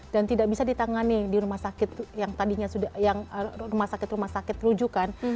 dan tidak bisa ditangani di rumah sakit yang tadinya sudah rumah sakit rumah sakit rujukan